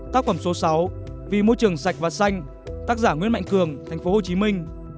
tác phẩm số sáu vì môi trường sạch và xanh tác giả nguyễn mạnh cường thành phố hồ chí minh